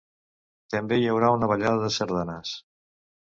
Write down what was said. També hi haurà una ballada de sardanes.